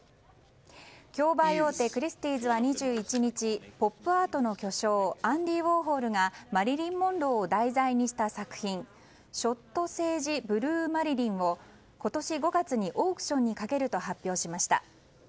競売大手クリスティーズは２１日ポップアートの巨匠アンディ・ウォーホルがマリリン・モンローを題材にした作品「ショット・セージ・ブルー・マリリン」を今年５月にオークションにかけると発表しました。